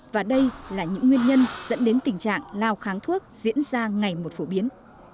và đây là những nguyên nhân dẫn đến tình trạng lao kháng thuốc diễn ra ngày một phổ biến